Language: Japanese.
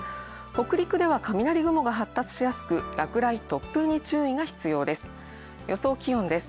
北陸では、雷雲が発達しやすく落雷、突風に注意が必要です。